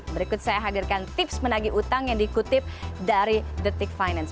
berikut saya hadirkan tips menagih utang yang dikutip dari the tick finance